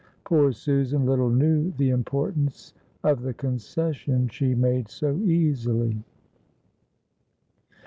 Poor Susan little knew the importance of the concession she made so easily.